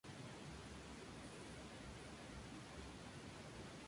Fue además premiado por la asociación belga de Amnistía Internacional.